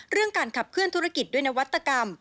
การขับเคลื่อนธุรกิจด้วยนวัตกรรม